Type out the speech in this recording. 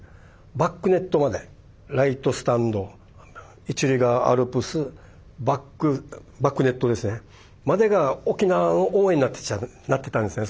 バックネットまでライトスタンド１塁側アルプスバックネットですねまでが沖縄の応援になってたんですね